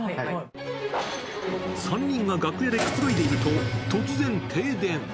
３人が楽屋でくつろいでいると、突然停電。